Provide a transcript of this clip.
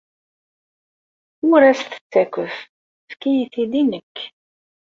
Ur as-t-ttakf. Efk-iyi-t-id i nekk.